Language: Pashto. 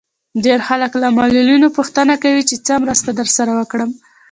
ډېری خلک له معلولينو پوښتنه کوي چې څه مرسته درسره وکړم.